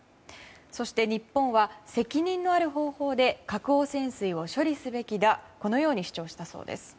そして、日本は責任のある方法で核汚染水を処理すべきだとこのように主張したそうです。